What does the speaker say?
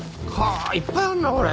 あいっぱいあるなこれ。